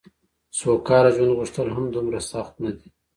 سوکاله ژوند غوښتل هم دومره سخت نه دي.